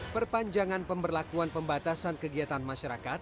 perpanjangan pemberlakuan pembatasan kegiatan masyarakat